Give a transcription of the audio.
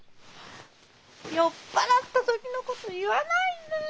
酔っ払った時のこと言わないで。